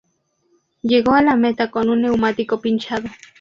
Llegó a la meta con un neumático pinchado.